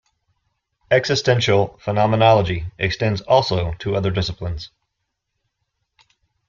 Existential phenomenology extends also to other disciplines.